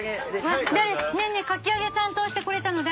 かき揚げ担当してくれたの誰？